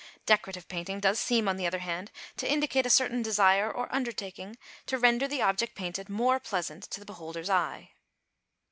"Decorative Painting" does seem, on the other hand, to indicate a certain desire or undertaking to render the object painted more pleasant to the beholder's eye.